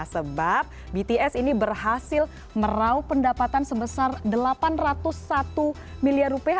sebab bts ini berhasil merauh pendapatan sebesar delapan ratus satu miliar rupiah